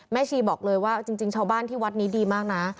ชีบอกเลยว่าจริงชาวบ้านที่วัดนี้ดีมากนะ